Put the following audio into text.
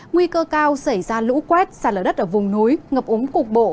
nguy cơ cao xảy ra lũ quét sạt lở đất ở vùng núi ngập úng cục bổ